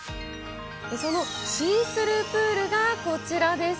そのシースループールがこちらです。